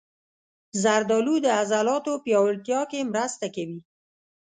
زردالو د عضلاتو پیاوړتیا کې مرسته کوي.